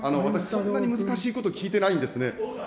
そんなに難しいこと聞いてないんですね。